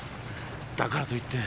だからといって。